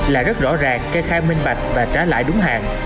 là rất rõ ràng kê khai minh bạch và trả lại đúng hàng